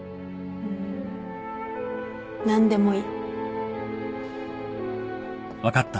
うん何でもいい。